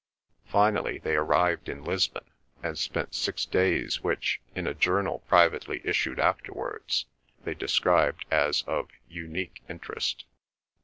Finally they arrived in Lisbon and spent six days which, in a journal privately issued afterwards, they described as of "unique interest."